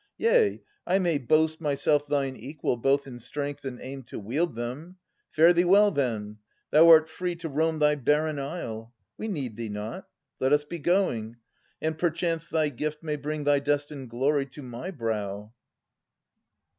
Yea, I may boast Myself thine equal both in strength and aim To wield them. Fare thee well, then ! Thou art free To roam thy barren isle. We need thee not. Let us be going! And perchance thy gift May bring thy destined glory to my brow.